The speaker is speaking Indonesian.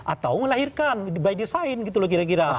atau melahirkan by design gitu loh kira kira